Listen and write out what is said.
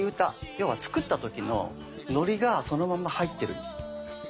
要は作った時のノリがそのまま入ってるんです。